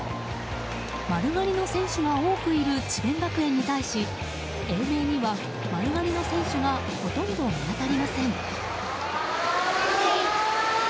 丸刈りの選手が多くいる智弁学園に対し英明には丸刈りの選手がほとんど見当たりません。